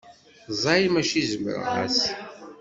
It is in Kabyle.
Ẓẓay maca zemreɣ-as.